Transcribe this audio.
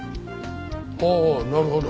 ああなるほど。